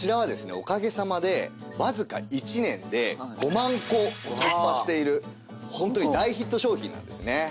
おかげさまでわずか１年で５万個を突破しているホントに大ヒット商品なんですね。